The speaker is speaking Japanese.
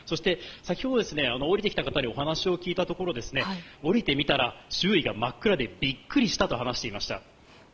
先ほど降りてきた方にお話を聞いたところ降りてみたら周囲が真っ暗でビックリしたと話していました。